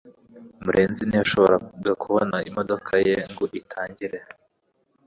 murenzi ntiyashoboraga kubona imodoka ye ngo itangire